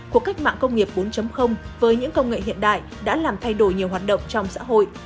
cuộc cách mạng công nghiệp bốn với những công nghệ hiện đại đã làm thay đổi nhiều hoạt động trong xã hội